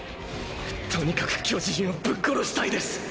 とにかく巨人をぶっ殺したいです。